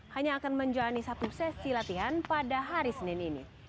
hanya akan menjalani satu sesi latihan pada hari senin ini